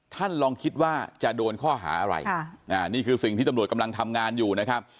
ท่านลองคิดว่าจะโดนข้อหาอะไรนี่คือสิ่งที่ตำรวจกำลังทำงานอยู่นะครับ